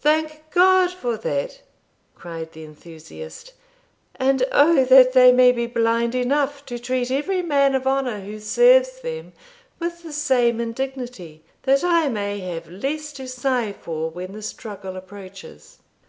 'Thank God for that!' cried the enthusiast; 'and O that they may be blind enough to treat every man of honour who serves them with the same indignity, that I may have less to sigh for when the struggle approaches!'